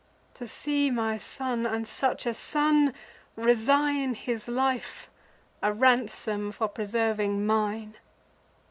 To see my son, and such a son, resign His life, a ransom for preserving mine!